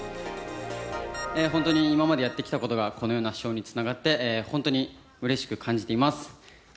本当に今までやってきたことがこのような賞につながって、本当にうれしく感じています。